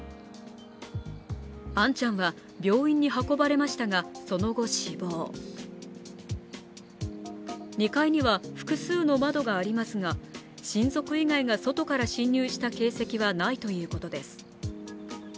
杏ちゃんは病院に運ばれましたが、その後、死亡２階には複数の窓がありますが親族以外が外から侵入した形跡はないということです。